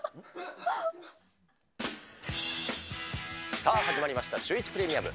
さあ、始まりました、シュー１プレミアム。